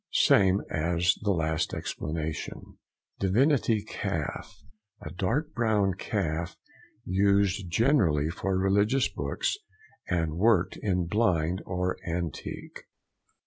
—Same as the last explanation. DIVINITY CALF.—A dark brown calf used generally for religious books, and worked in blind or antique.